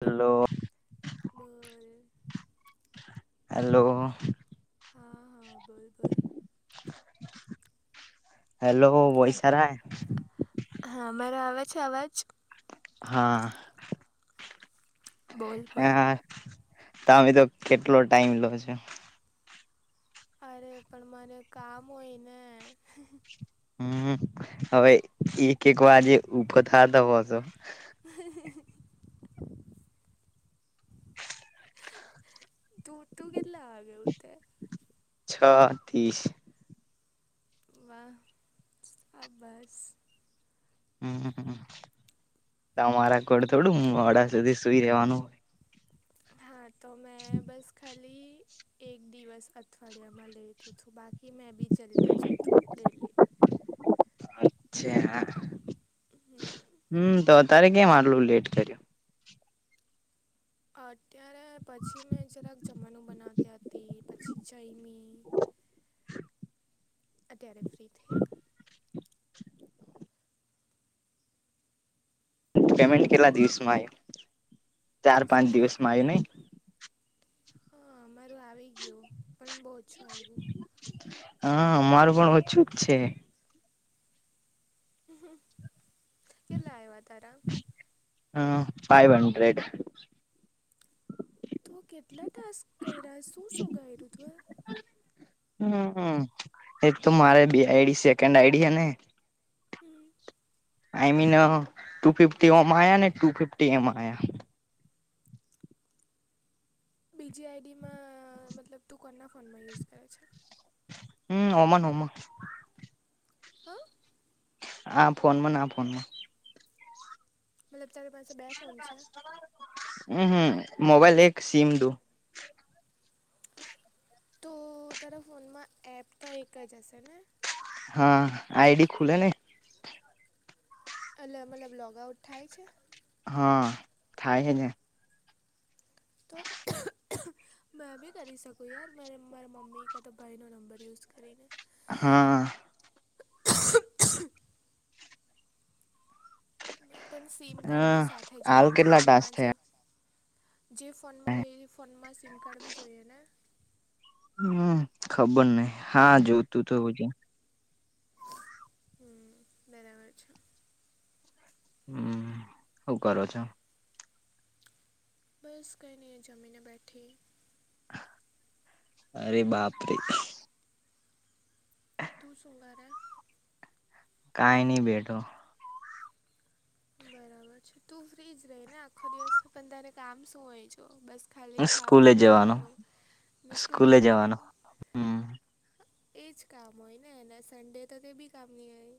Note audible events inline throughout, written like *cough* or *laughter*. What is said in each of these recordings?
Hello. બરાબર. હા hello હા, બોલ બોલ. હેલો. વયસારા હા, મારો અવાજ આવે છે? હા. બોલ બોલ હા, તમે તો કેટલો ટાઈમ લો છો? અરે, પણ મને કામ હોય ને. હમ, હવે એક એક વાર જે ઉભો થતા હોય છે. હ. તું તું તે કેટલા આવ્યો તે? છ-ત્રીસ. વાહ, આ બસ! હમ, તમારા કોડ થોડું હું મોડા સુધી સુઈ રેવાનું હોય. હા, તો મેં બસ ખાલી. એક દિવસ અઠવાડિયામાં લેતું હતું, બાકી મેં બી જલ્દી જું અચ્છા, હ. *unintelligible* હમ હમ, તો અત્યારે કેમ આટલું લેટ કર્યું? અત્યારે પછી મેં જરાક જમવાનું બનાવતી હતી, પછી જમ્યા. અત્યારે ફ્રી થઈ. પેમેન્ટ હેલો કેટલા દિવસમાં આવે? ચાર-પાંચ શું કે દિવસમાં આવે નહીં? હા, અમારું આવી ગયું, પણ બહુ ઓછું આવ્યું. હા, અમારું પણ ઓછું જ છે. કેટલા આવ્યા તારા? હમ, ફાઈવ હંડ્રેડ. તું કેટલા ટાસ્ક કર્યા છે? શું શું કર્યું તું એ? હ, એક તો મારે બે આઈડી સેકન્ડ આઈડી હે ને. હમ. આઈ મીન, ટુ ફિફ્ટ ઓમ આયા ને, ટુ ફિફટી એમ. બીજી આઈડીમાં, મતલબ તું કોના ફોનમાં યુઝ કરે છે? હમ, ઓમન ઓ મા. હા. હા, ફોનમાં ના ફોનમાં મતલબ તારી પાસે બે ફોન છે. હમ, હમ, મોબાઈલ એક સીમ દું. તો તારા ફોનમાં એપ તો એક જ હશે ને? હા, આઈડી ખુલે ને. અલગ અલગ લોકઆઉટ થાય છે. હા, થાય છે ને. તો *unintelligible* મેં બી કરી શકું યાર, મા મારા મમ્મી કાં તો ભાઈ નો નંબર યુઝ કરીને. હા. *inaudible* પણ સીમ કાર્ડ હા બી સાથે હાલ જોઈએ ને, કેટલા ટાસ્ક ફોનમાં જે. થયા જે ફોનમાં હોય, એ ફોનમાં સિમ કાર્ડ બી જોઈએ ને? હમ ખબર નહ હા જોતું તોું છે. હમ બરાબર છે. હમ શું કરો છો. બસ ક ન જમીને બેઠી અરે બાપરી. તુ શુંંગરે. કઈ નહી ભ બેટો બરાબર છે તું ફ્રી જ રહી ને આખો દિવસ પણ તારે કામ શું હોય જ બસ ખાલી સ્કૂલે ખાવાનું જવાનો પીવાનું ને સ્કૂલે જવાનુ હમ એજ કામ હોય ને એને સડે તો તે બી કામ નહી આવે.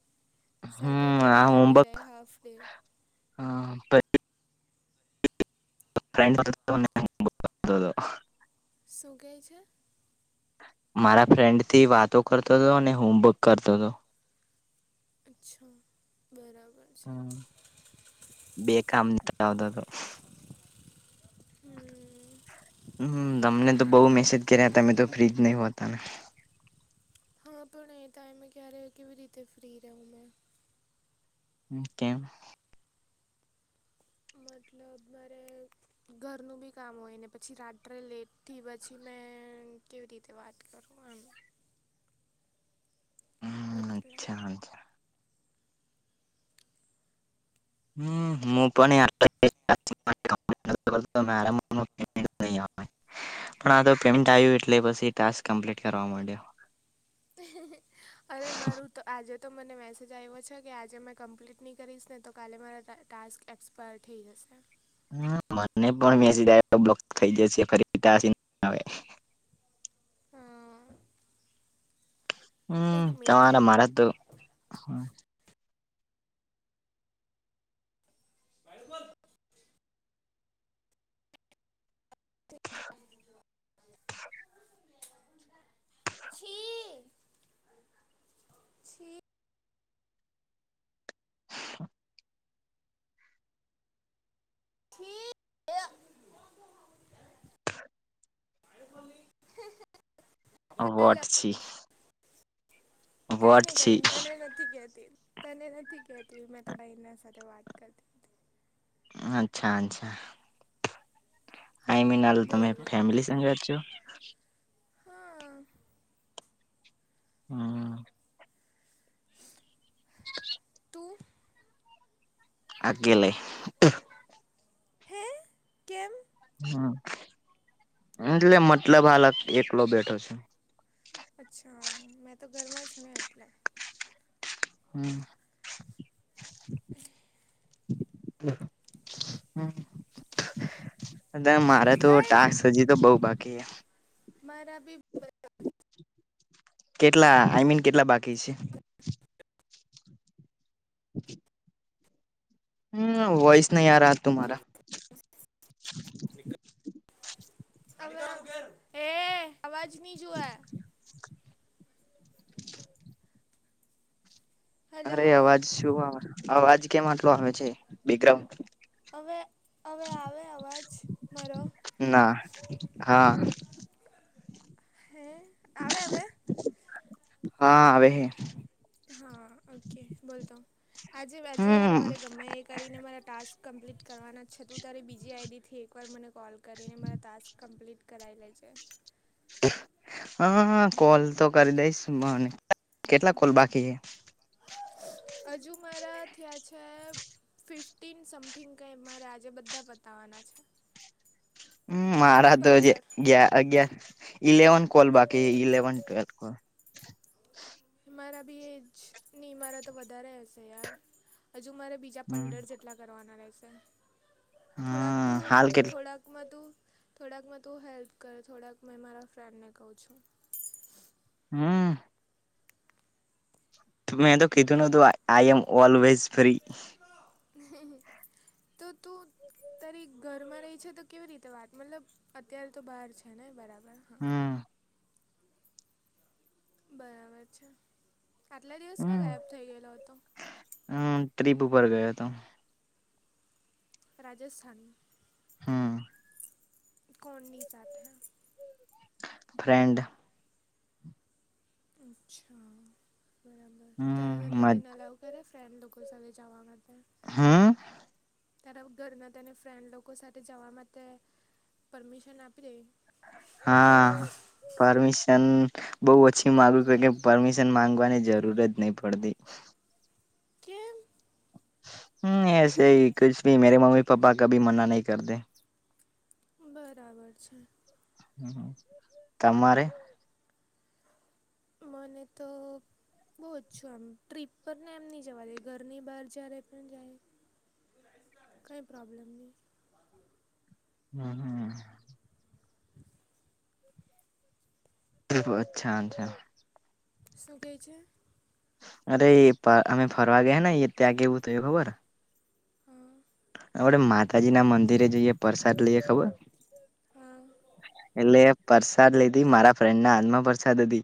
હમ સેટરડે ભી આવી જાય હાફ ડે હા પ મ તો તો શુંકેહે છે. મારા ફ્રેન્ડ થી વાતો કરતો હતો અને હોમવર્ક કરતો હતો અચ્છા બરાબર છે હમ બે કામ આવ તો હમ. હમ તમને તો બહુ મેસેજ કર્યા તમે તો ફ્રીજ નહી હોતા. હા પણ અહી તાય મેં ક્યારે કેવી રીતે ફ્રી રહું મેં કેમ. મતલબ મારે ઘરનું બી કામ હોય ને પછી રાત્રે લેટથી પછી મે કેવી રીતે વાત કરું આમ હો તલે અચ્છા અચ્છા હ મોફને અ પણ આ તો પેમેન્ટ આવ્યું એટલે પછી ટાકસ કમ્પ્લીટ કરવા માંડ્યો અરે મારું તો આજે તો મને મે સજા એવો છે. કે આજેં કમ્પ્લીટ નહીં કરીશ ને તો કાલે મારા ટાસ્ક એક્સપાયર થઈ જશે મને પણ મેસેજ આવ્યો બધ થઈ જશે ફરી નહી આવે. હા હમ મિનિટ હો તમારે મારે તો વા બોલ *inaudible* *unintelligible* હ *unintelligible* છી. *inaudible* વાટછ કઈ નહી કઈ છી નહી તને નથી કહેતી તને નથી, કહેતી મેં તો બહેન સાથે વાત કરતી અચ્છા અચ્છા હમીનાલ તમે બોલ બોલ ફેમિલી સાથે જ છો. હા હમ હ ક આકેલે હે કેમ હમ એટલે મતલબ હાલ એકલો બેઠો છે. અચ્છા મેં તો ઘરમાં છે. ને એટલે હમ *unintelligible* *unintelligible* મારા તો ભાઈ ટાકસ હજી તો બહુ બાકી છે. મારાબી. કેટલા આઈ મીન કેટલા બાકી છે. *inaudible* હમ વોઇસ નહી આરા તું મારા. અવાજ હે અવાજ બીજુ એ. *inaudible* હલો અરે અવાજ શું આવે અવાજ કેમ આટલો આવે છે. બેગાઉડ હવે હવે આવે અવાજ મારો. ના હા *inaudible* હે આવે આવે હા આવેવે હા ઓકે બોલતો આજે આજે યાર હમ મારે ગમે એ કરીને મારા ટાસ્ક કમ્પ્લીટ કરવાના જ છતું ત્યારે બીજી આઈડીથી એકવાર મને કોલ કરીને મારા ટાસ્ક કમ્પ્લીટ કરાઈ લે છે. હા કોલ તો કરી દઈશ મને કેટલા કોલ બાકી છે. હજુ મારા થયા છે. ફિફ્ટીન સમથિંગ કંઈ મારે આજે બધા પતાવવાના છે. હમ મારા તો જે પંદર ગ ઇલેવન કોલ બાકી ઇલેવન ટ્વેલથ કોલ મારા બી એજ નહીં મારા તો વધારે હશે યાર હજુ મારે બીજા પંદર હમ જેટલા. કેટલા કરવાના રહેશે થોડાક હા તું હાલ કેટલ થોડાક માં તું થોડાક માં તું હેલ્પ કરે થોડાક મેં મારા ફ્રેન્ડને કહું છું. હમ મેં તો કીધું ઓકે નતું આઈ એમ ઓલવેઝ ફ્રી. તો તું તારી ઘરમાં રહી છે તો કેવી રીતે વાત મતલબ અત્યારે તો બહાર છે ને બરાબર. હા હમ. બરાબર છે આટલા દિવસ કા હમ ગાયબ થઈ ગયેલો હતો હમ ટ્રીપ ઉપર ગયો હતો. રાજસ્થાન. હમ કોની સાથે. ફ્રેન્ડ. અચ્છા બરાબર તારે ઘર હમ ના તને અલાવ કરે ફ્રેન્ડ લોકો સાથે જવા મા. તો. હમ તારા ઘરના તને ફ્રેન્ડ લોકો સાથે જવા માટે પરમિશન આપી દઈ હા પરમિશન બઉુ ઓછી માગુ કોઈની પરમિશન માંગવાની જરૂર જ નહી પડતી. કેમ. હમ એસે હી કુછ ભી મેરે મમ્મી પપ્પા કભી મના નહી કરતે. બરાબર છે. તમારે. મને તો. બહુ ઓછું આમ ટ્રીપ પર ને એમ નહી જવા દે ઘરની બહાર જ્યારે પણ જાય. કઈ પ્રોબ્લેમ નહીં. હમ હમ. *inaudible* ચલો અચ્છા અચછા. સુ કે છે. અરે એ પા અમે ફરવા ગયા ને એ ત્યાં કેવું થયું ખબર. હા. આપડે માતાજી ના મંદિરે જઈએ પ્રસાદ લઈએ ખબર હા એટલે એ પરસાદ લીધી મારા ફ્રેન્ડ ના હાથ માં પરસાદ હતી.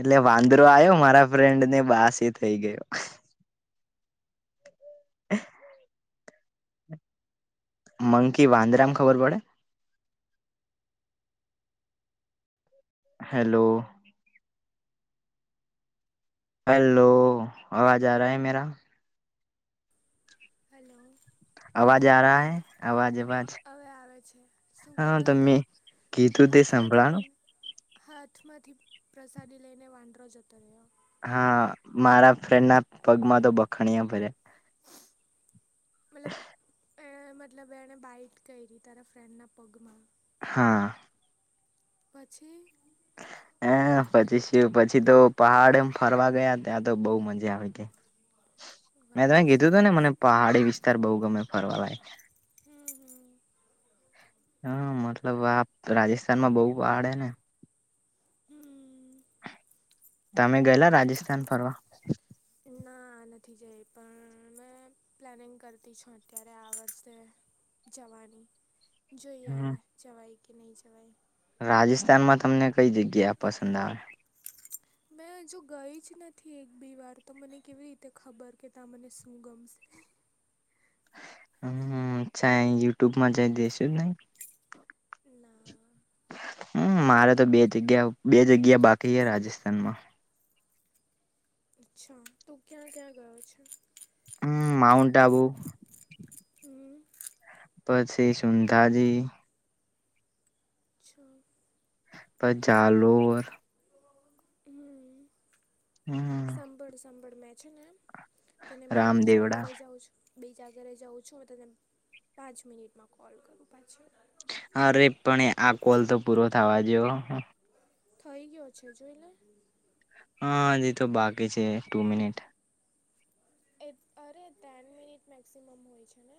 એટલે વાંદરો આયો મારા ફ્રેન્ડ ને બાસી થઈ ગયો. હ *inaudible* મંકી વાંદરામ ખબર પડે. હેલો. હેલો, અવાજ *unintelligible* હલો હેલો, અવાજ આ રહા હૈ અવાજ હા અવાજ અવે આવે છે, શું હા કહેતો હતો? તમે કીધું તે હાથમાંથી સાંભળાનું? લઈને હાથમાંથી પ્રસાદી લઈને વાંદરો જતો રહ્યો. હા, મારા ફ્રેન્ડ ના પગમાં તો બખાણયા ભર્યા. મતલબ એ મતલબ એણે બાઈટ કૈરી તારા ફ્રેન્ડના પગમાં હા. પછી એન પછી સુ પછી તો પહાડ એમ ફરવા ગયા, ત્યાં તો બહુ મજા આવી. મેં વાહ તને ગીધુંતું ને સરસ મને પહાડી વિસ્તાર બઉ ગમે ફરવા લાયક હમ્મ, હમ્મ. હમ્મ, મતલબ આપ રાજસ્થાનમાં બહુ વાડે ને હમ્મ. તમે ગઇલા રાજસ્થાન ફરવા? ના નથી જઈ પણ મેં પ્લેનિંગ કરતી છું અત્યારે આ વર્ષ જવાની. જોઈએ હમ હવે જવાય કે નહીં જવાય. રાજસ્થાનમાં તમને કઈ જગ્યા પસંદ આવે? મેં હજુ ગઈજ નથી એક ભી વાર, તો મને કેવી રીતે ખબર કે ત્યા મને શું ગમશે? હમ્મ, ચઅચ્છા યુટ્યુબમાં જઈ દેશું નઈ? ના હમ્મ, મારે તો નથી બે જગ્યા, જોયું બે જગ્યા બાકી છે રાજસ્થાનમાં. અચ્છા તું ક્યાં ક્યાં ગયો છે? હમ્મ, માઉન્ટ આબુ. હમ્મ. પછે સુુંંધાજી. છો? પજા લોવર. હમ્મ હમ સાંભળ સંભાળ મેં છે ને તને મારા બીજા રામદેવડા ઘરે જાઉ છું બીજા ઘરે જાઉં છું હું તને પાંચ મિનિટમાં કોલ કરું પાછી. અરે પણ આ કોલ તો પૂરો થવા જો. થઈ ગયો છે જોઈલે. હા, હજી તો બાકી છે ટુ મિનિટ. એ અરે ટેન મિનિટ મેક્સિમમ હોય છે ને.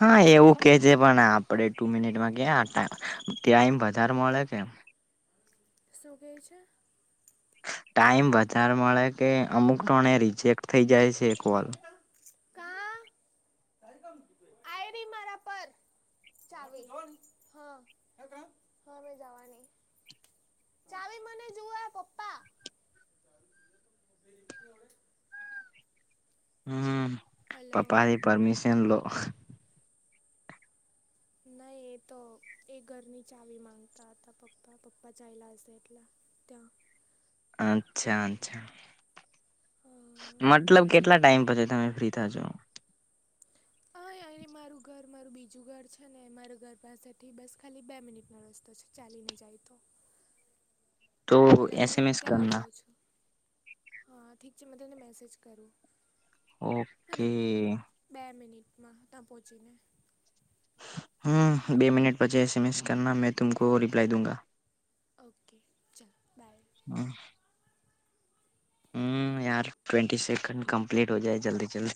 હા, એવું કે છે પણ આપડે ટુ મિનિટમાં ક્યાં અટા ત્યાં એમ વધાર મળે કે શું કેહ છે? ટાઈમ વધારે મળે કે અમુક ટોને રિજેક્ટ થઈ જાય છે કોલ કા આઈ ડી મારા પર. ચાવી હા હા મેં જવાની. ચાવી મને જુવા પપ્પા. હમ્મ, હલો પપ્પા એ પરમિશન લો. નહી એ તો એ ઘરની ચાવી માંગતા હતા. પપ્પા પપ્પા ચયલા હશે એટલા. ત્યા. અચ્છા અચ્છા. હા મતલબ કેટલા ટાઈમ પછી તમે ફ્રી થજો? અઅહ અહી મારું ઘર મારું બીજું ઘર છે ને મારા ઘર પાસેથી બસ ખાલી બે મિનિટનો રસ્તો છે. ચાલીને જાય તો. તો એટલે મેં એસએમએસ ત્યાં કરના જાઉં છું. અહ હા ઠીક છે મેં તમને મેસેજ કરું. હે ને ઓકે. બે મિનિટ માં તા પહોંચી ને. હમ્મ, બે મિનિટ પછી એસ એમ એસ કરના, મેં તુમકો રિપ્લાઈ દુંંગા. ઓકે ચાલ બાય. હા. હમ્મ યાર ટ્વવેન્ટટી સેકન્ડ કમપ્લીટ હો જાય જલ્દી જલ્દી.